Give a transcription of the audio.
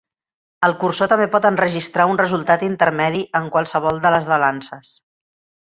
El cursor també pot enregistrar un resultat intermedi en qualsevol de les balances.